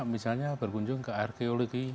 misalnya berkunjung ke arkeologi